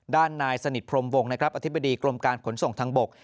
ด้านนายสนิทพรมวงนะครับอธิบดีกรมการขนส่งทางบก